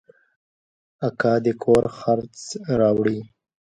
اکا دې د کور خرڅ راوړي.